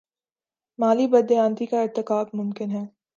مالی بد دیانتی کا ارتکاب ممکن ہے۔